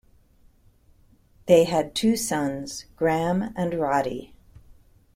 They had two sons, Graham and Roddy.